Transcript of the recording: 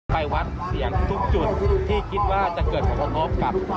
ไปวัดเสียงทุกจุดที่คิดว่าจะเกิดผลกระทบกับ